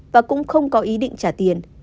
và cũng không có ý định trả tiền